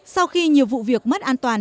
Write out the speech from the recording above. sau khi nhiều vụ việc mất an toàn